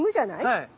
はい。